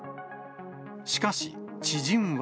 しかし知人は。